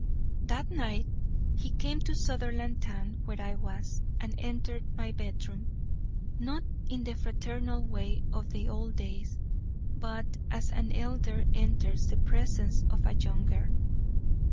That night he came to Sutherlandtown, where I was, and entered my bedroom not in the fraternal way of the old days, but as an elder enters the presence of a younger.